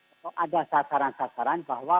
atau ada sasaran sasaran bahwa